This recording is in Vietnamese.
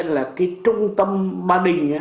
là cái trung tâm ba đình